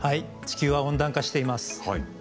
地球は温暖化しています。